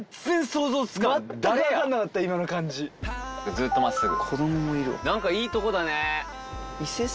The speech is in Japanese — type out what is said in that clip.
ずっと真っすぐ。